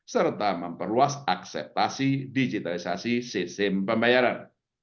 serta memperluas akseptasi digitalisasi sistem pembayaran